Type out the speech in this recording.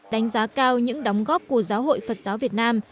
đánh giá cao những đóng góp của giáo hội phật giáo việt nam